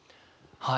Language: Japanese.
はい。